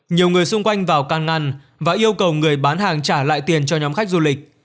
nhiều người xung quanh vào can ngăn và yêu cầu người bán hàng trả lại tiền cho nhóm khách du lịch